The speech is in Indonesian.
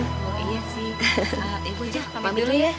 iya sih iya bu aja pamit dulu ya